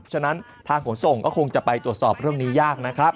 ฉะนั้นทางขนส่งก็คงจะไปตรวจสอบเรื่องนี้ยากนะครับ